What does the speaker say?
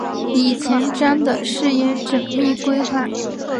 以前瞻的视野缜密规划